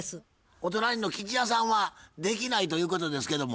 お隣の吉弥さんはできないということですけども？